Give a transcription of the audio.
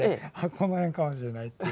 この辺かもしれないっていう。